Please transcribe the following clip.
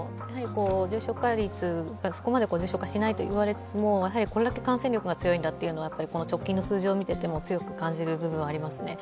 重症化率が、そこまで重症化しないと言われつつも、やはりこれだけ感染力が強いんだと、この直近の数字を見ていても強く感じる部分はあります。